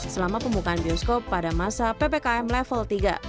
selama pembukaan bioskop pada masa ppkm level tiga